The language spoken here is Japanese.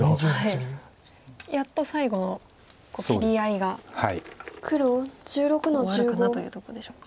やっと最後の切り合いが終わるかなというとこでしょうか。